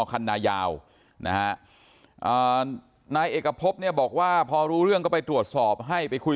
คัณะยาวนายเอกภพบอกว่าพอรู้เรื่องก็ไปตรวจสอบให้ไปคุย